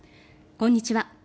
こんにちは。